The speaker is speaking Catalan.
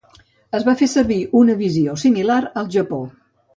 Es va fer servir una visió similar al Japó.